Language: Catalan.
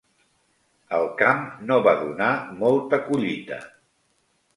El camp no va donar molta collita.